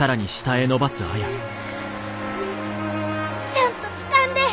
ちゃんとつかんで！